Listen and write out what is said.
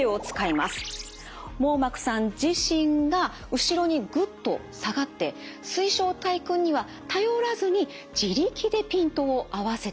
網膜さん自身が後ろにグッと下がって水晶体くんには頼らずに自力でピントを合わせてしまうんです。